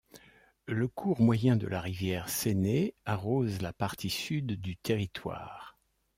Le cours moyen de la rivière Sene arrose la partie sud du territoire.